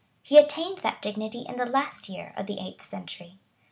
[] He attained that dignity in the last year of the eighth century.